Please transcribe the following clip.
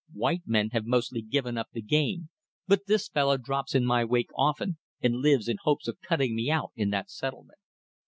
White men have mostly given up the game, but this fellow drops in my wake often, and lives in hopes of cutting me out in that settlement.